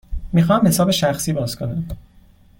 می خواهم حساب شخصی باز کنم.